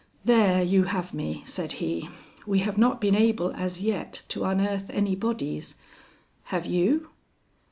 "There you have me," said he. "We have not been able as yet to unearth any bodies. Have you?"